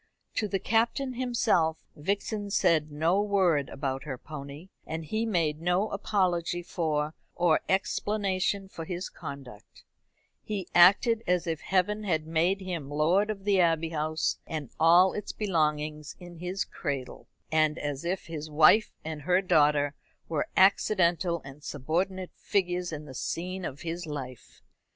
To the Captain himself Vixen said no word about her pony, and he made no apology for or explanation of his conduct, He acted as if Heaven had made him lord of the Abbey House and all its belongings in his cradle, and as if his wife and her daughter were accidental and subordinate figures in the scene of his life.